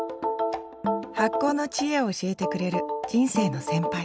発酵の知恵を教えてくれる人生の先輩